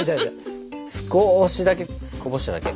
少しだけこぼしただけ。